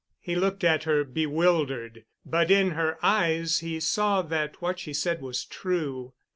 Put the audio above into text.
He looked at her, bewildered, but in her eyes he saw that what she said was true.